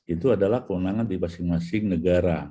itu adalah kewenangan di masing masing negara